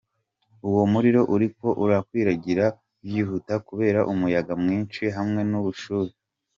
Uwo muriro uriko urakwiragira vyihuta kubera umuyaga mwinshi hamwe n'ubushuhe.